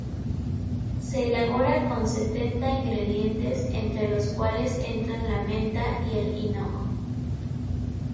Se elabora con setenta ingredientes, entre los cuales entran la menta y el hinojo.